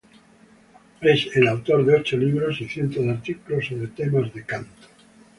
Es el autor de ocho libros y cientos de artículos sobre temas de canto.